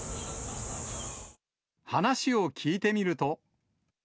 話を聞いてみると。